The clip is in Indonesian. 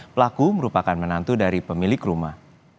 pelaku merupakan menantu dari pemilik rumah